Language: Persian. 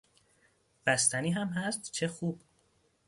بستنی هم هست؟ چه خوب!